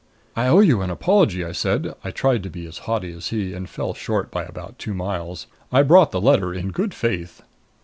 "I owe you an apology," I said. I tried to be as haughty as he, and fell short by about two miles. "I brought the letter in good faith."